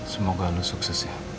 semoga lo sukses ya